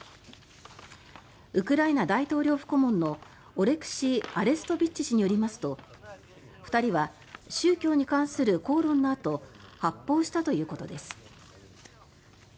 ウクライナ大統領府顧問のオレクシー・アレストビッチ氏によりますと２人は宗教に関する口論のあと発砲したということです。